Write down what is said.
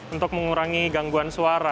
untuk mengurangi gangguan suara